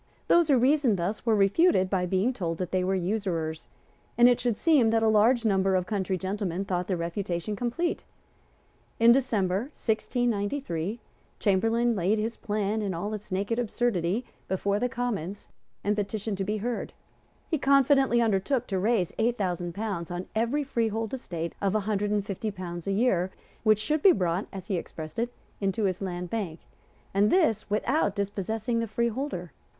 Those who reasoned thus were refuted by being told that they were usurers; and it should seem that a large number of country gentlemen thought the refutation complete. In December 1693 Chamberlayne laid his plan, in all its naked absurdity, before the Commons, and petitioned to be heard. He confidently undertook to raise eight thousand pounds on every freehold estate of a hundred and fifty pounds a year which should be brought, as he expressed it, into his Land Bank, and this without dispossessing the freeholder.